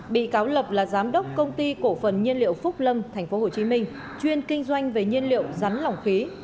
bị cáo lập là giám đốc công ty cổ phần nhiên liệu phúc lâm tp hcm chuyên kinh doanh về nhiên liệu rắn lỏng khí